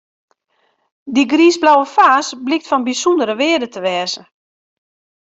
Dy griisblauwe faas blykt fan bysûndere wearde te wêze.